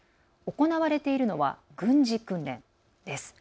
行われているのは軍事訓練です。